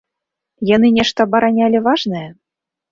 Яны нешта абаранялі важнае?